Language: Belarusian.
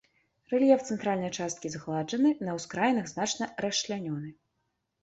Рэльеф цэнтральнай часткі згладжаны, на ўскраінах значна расчлянёны.